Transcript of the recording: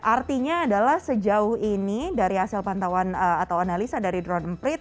artinya adalah sejauh ini dari hasil pantauan atau analisa dari drone emprit